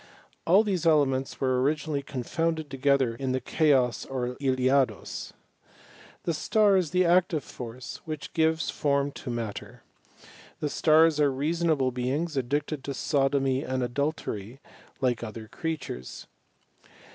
All these elements were originally confounded together in the chaos or yliados. The star is the active force which gives form to matter. The stars are reasonable beings addicted to sodomy and adultery, like other creatures.